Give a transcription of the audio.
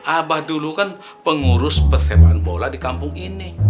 abah dulu kan pengurus persepaan bola di kampung ini